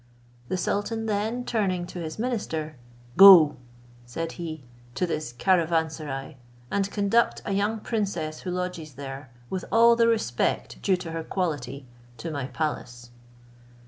The sultan then turning to his minister, "Go," said he, "to this caravanserai, and conduct a young princess who lodges there, with all the respect due to her quality, to my palace."